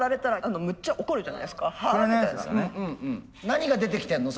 何が出てきてるの？